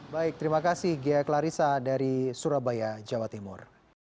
baik terima kasih ghea klarissa dari surabaya jawa timur